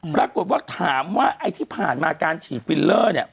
ปรากฏว่าถามว่าไอ้ที่ผ่านมาการฉีดฟิลเลอร์เนี่ย